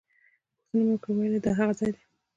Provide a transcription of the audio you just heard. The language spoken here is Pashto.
پوښتنه مې وکړه ویل یې دا هغه ځای دی.